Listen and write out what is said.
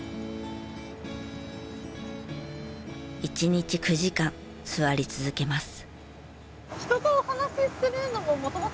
１日９時間座り続けます。